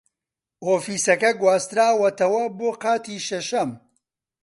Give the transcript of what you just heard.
ئۆفیسەکە گواستراوەتەوە بۆ قاتی شەشەم.